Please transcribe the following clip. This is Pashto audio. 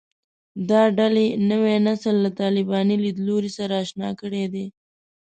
دا ډلې نوی نسل له طالباني لیدلوري سره اشنا کړی دی